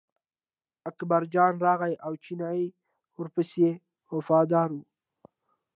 اکبرجان راغی او چینی ورپسې و وفاداره.